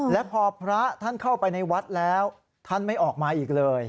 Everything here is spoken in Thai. และพอพระท่านเข้าไปในวัดแล้วท่านไม่ออกมาอีกเลย